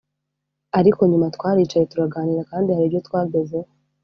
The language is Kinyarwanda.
ariko nyuma twaricaye turaganira kandi hari ibyo twagezeho